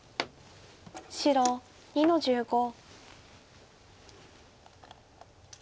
白２の十五。